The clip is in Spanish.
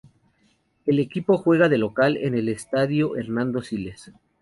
El equipo juega de local en el Estadio Hernando Siles.